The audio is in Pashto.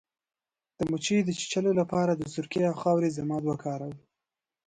د مچۍ د چیچلو لپاره د سرکې او خاورې ضماد وکاروئ